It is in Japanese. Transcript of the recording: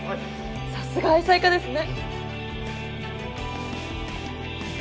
さすが愛妻家ですね。